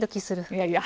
いやいや。